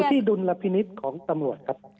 ที่ดุลพินิษฐ์ของตำรวจครับ